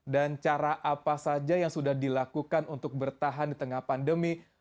dan cara apa saja yang sudah dilakukan untuk bertahan di tengah pandemi